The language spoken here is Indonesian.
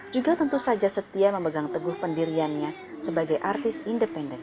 juga tentu saja setia memegang teguh pendiriannya sebagai artis independen